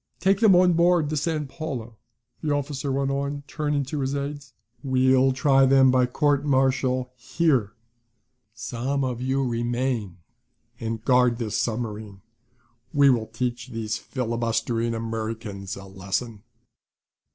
Take them on board the San Paulo," the officer went on, turning to his aides. "We'll try them by court marital here. Some of you remain and guard this submarine. We will teach these filibustering Americans a lesson."